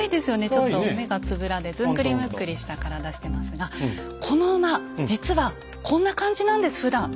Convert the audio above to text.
ちょっと目がつぶらでずんぐりむっくりした体してますがこの馬実はこんな感じなんですふだん。